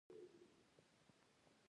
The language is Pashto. ږغونه مو اورېدل، چې لاندې رالوېدل.